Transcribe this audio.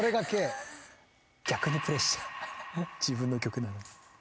自分の曲なのに。